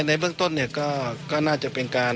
ในเบื้องต้นเนี่ยก็น่าจะปล่อยก่อน